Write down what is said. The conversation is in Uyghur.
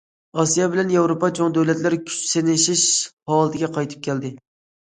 ئاسىيا بىلەن ياۋروپا چوڭ دۆلەتلەر كۈچ سىنىشىش ھالىتىگە قايتىپ كەلدى.